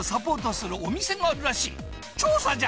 調査じゃ！